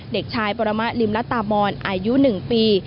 เด็กชายปรมะลิมละตามอนอายุ๑ปี